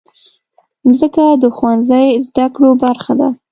مځکه د ښوونځي زدهکړو برخه ده.